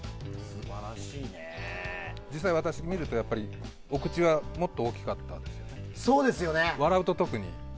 実際、私が見るとお口はもっと大きかったですよね。